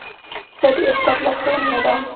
زه د استاد لارښوونې یادوم.